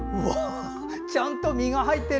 ちゃんと実が入ってる！